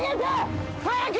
早く！